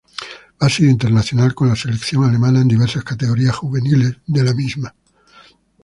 Ha sido internacional con la selección alemana en diversas categorías juveniles de la misma.